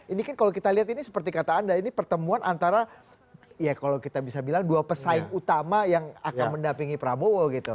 ini kan kalau kita lihat ini seperti kata anda ini pertemuan antara ya kalau kita bisa bilang dua pesaing utama yang akan mendampingi prabowo gitu